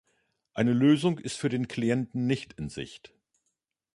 Eine Lösung ist für den Klienten nicht in Sicht.